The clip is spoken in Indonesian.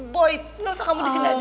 boy gak usah kamu di sini aja